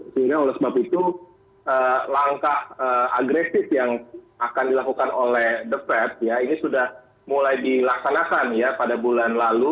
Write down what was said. sehingga oleh sebab itu langkah agresif yang akan dilakukan oleh the fed ya ini sudah mulai dilaksanakan ya pada bulan lalu